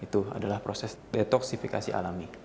itu adalah proses detoksifikasi alami